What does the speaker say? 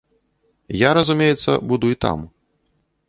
Я, разумеецца, буду і там.